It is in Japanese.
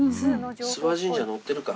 諏訪神社載ってるか？